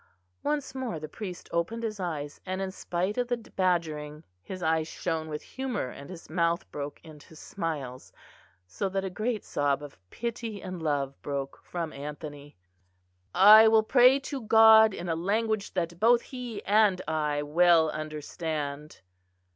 Once more the priest opened his eyes; and, in spite of the badgering, his eyes shone with humour and his mouth broke into smiles, so that a great sob of pity and love broke from Anthony. "I will pray to God in a language that both He and I well understand."